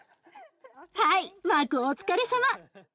はいマークお疲れさま。